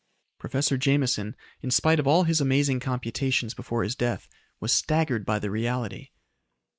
Professor Jameson, in spite of all his amazing computations before his death, was staggered by the reality.